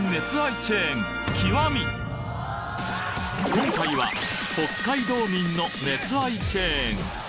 今回は北海道民の熱愛チェーン